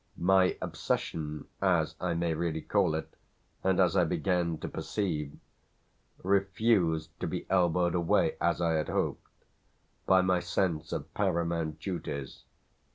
My obsession, as I may really call it and as I began to perceive, refused to be elbowed away, as I had hoped, by my sense of paramount duties.